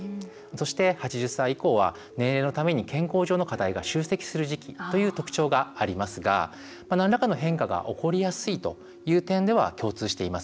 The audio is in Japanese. そして、８０歳以降は年齢のために健康上の課題が集積する時期という特徴がありますが、何らかの変化が起こりやすいという点では共通しています。